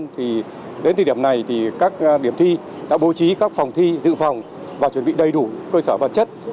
thì đến thời điểm này thì các điểm thi đã bố trí các phòng thi dự phòng và chuẩn bị đầy đủ cơ sở vật chất